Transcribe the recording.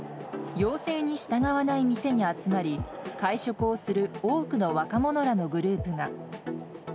要請に従わない店に集まり、会食をする多くの若者らのグループが。